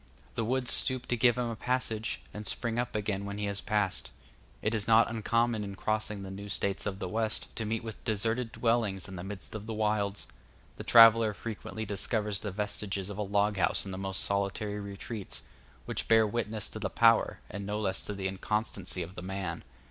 The woods stoop to give him a passage, and spring up again when he has passed. It is not uncommon in crossing the new States of the West to meet with deserted dwellings in the midst of the wilds; the traveller frequently discovers the vestiges of a log house in the most solitary retreats, which bear witness to the power, and no less to the inconstancy of man.